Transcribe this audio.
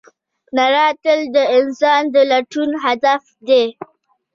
رڼا تل د انسان د لټون هدف دی.